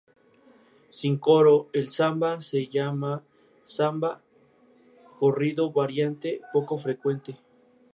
Sin coro, el samba se llama samba-corrido, variante poco frecuente.